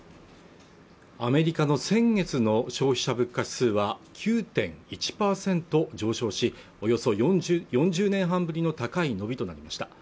アメリカの先月の消費者物価指数は９．１％上昇しおよそ４０年半ぶりの高い伸びとなりました